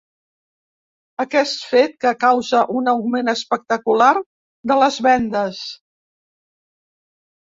Aquest fet que causa un augment espectacular de les vendes.